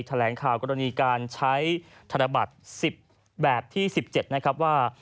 แถลงข่าวกรณีการใช้ธนบัตรสิบแบบที่สิบเจ็ดนะครับว่า